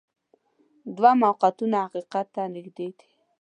دوه موقعیتونه حقیقت ته نږدې دي.